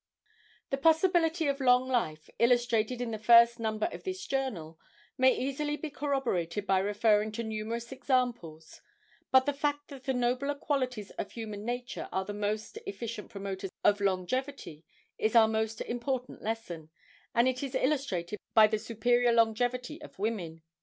The possibility of long life, illustrated in the first number of this Journal, may easily be corroborated by referring to numerous examples; but the fact that the nobler qualities of human nature are the most efficient promoters of longevity is our most important lesson, and it is illustrated by the superior longevity of women.